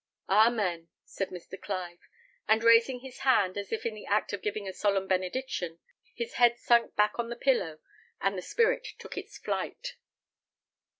"Amen!" said Mr. Clive; and raising his hand, as if in the act of giving a solemn benediction, his head sunk back on the pillow, and the spirit took its flight.